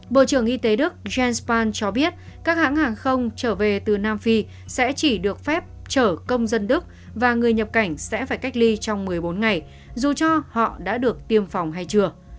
bộ trưởng y tế đức jens span cho biết các hãng hàng không trở về từ nam phi sẽ chỉ được phép chở công dân đức và người nhập cảnh sẽ phải cách ly trong một mươi bốn ngày dù cho họ đã được tiêm phòng hay chưa